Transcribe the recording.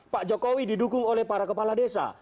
pak jokowi didukung oleh para kepala desa